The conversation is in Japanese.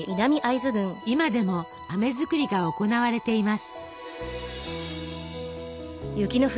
今でもあめ作りが行われています。